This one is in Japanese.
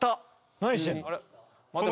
何してるの？